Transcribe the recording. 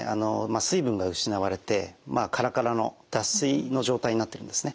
水分が失われてカラカラの脱水の状態になってるんですね。